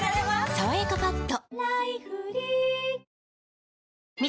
「さわやかパッド」